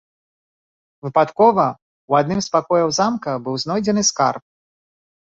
Выпадкова ў адным з пакояў замка быў знойдзены скарб.